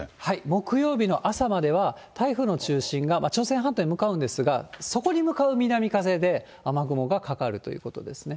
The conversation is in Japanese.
木曜日の朝までは台風の中心が朝鮮半島へ向かうんですが、そこに向かう南風で雨雲がかかるということですね。